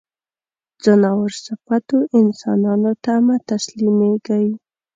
ځناور صفتو انسانانو ته مه تسلیمېږی.